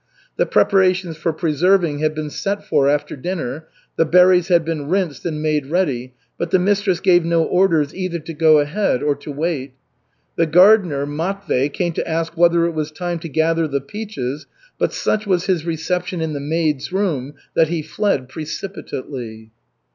The preparations for preserving had been set for after dinner; the berries had been rinsed and made ready, but the mistress gave no orders either to go ahead or to wait. The gardener, Matvey, came to ask whether it was time to gather the peaches, but such was his reception in the maids' room that he fled precipitately.